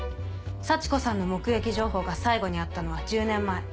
幸子さんの目撃情報が最後にあったのは１０年前。